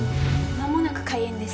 間もなく開演です。